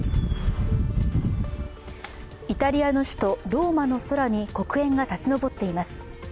イタリアの首都ローマの空に黒煙が立ち上っています。